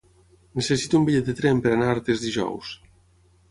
Necessito un bitllet de tren per anar a Artés dijous.